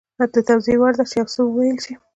د توضیح وړ ده چې یو څه وویل شي